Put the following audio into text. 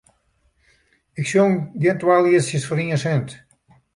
Ik sjong gjin twa lietsjes foar ien sint.